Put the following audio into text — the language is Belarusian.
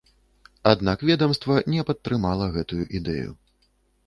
Аднак ведамства не падтрымала гэтую ідэю.